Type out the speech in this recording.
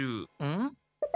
ん？